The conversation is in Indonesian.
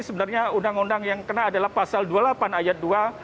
sebenarnya undang undang yang kena adalah pasal dua puluh delapan ayat dua